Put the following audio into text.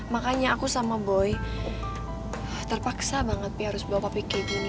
makanya aku sama boy terpaksa banget pi harus bawa papi kayak gini